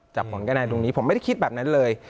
จากผลกระดาษตรงนี้ผมไม่ได้คิดแบบนั้นเลย